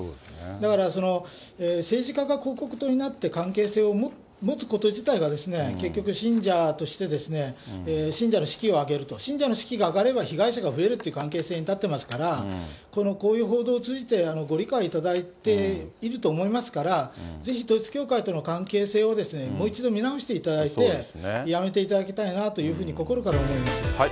だから政治家が広告塔になって関係性を持つこと自体が結局、信者として信者の士気を上げると、信者の士気が上がれば被害者が増えるって関係性に立ってますから、このこういう報道を通じてご理解いただいていると思いますから、ぜひ統一教会との関係性をもう一度見直していただいて、やめていただきたいなというふうに心から思います。